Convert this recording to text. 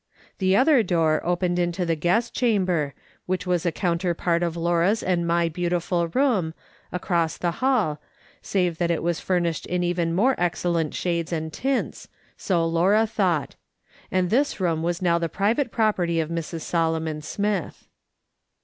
The other door opened into the guest chamber, which was a counter part of Laura's and my beautiful room, across the hall, save that it was finished in even more excellent shades and tints, so Laura thought ; and this room ■was now the private property of Mrs. Solomon Smith.